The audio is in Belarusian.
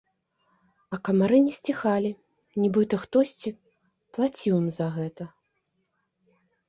А камары не сціхалі, нібыта хтосьці плаціў ім за гэта.